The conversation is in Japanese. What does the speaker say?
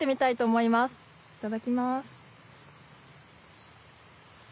いただきます。